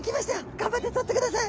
頑張ってとってください。